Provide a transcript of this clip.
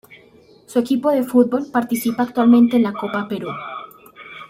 Su equipo de fútbol participa actualmente en la Copa Perú.